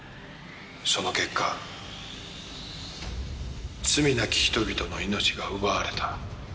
その結果罪なき人々の命が奪われた。